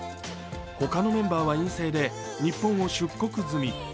他のメンバーは陰性で日本を出国済み。